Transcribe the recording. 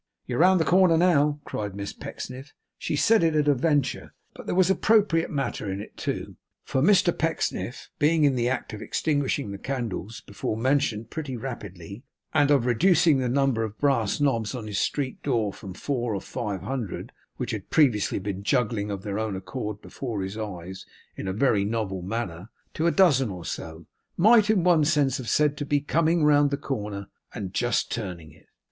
'You're round the corner now,' cried Miss Pecksniff. She said it at a venture, but there was appropriate matter in it too; for Mr Pecksniff, being in the act of extinguishing the candles before mentioned pretty rapidly, and of reducing the number of brass knobs on his street door from four or five hundred (which had previously been juggling of their own accord before his eyes in a very novel manner) to a dozen or so, might in one sense have been said to be coming round the corner, and just turning it.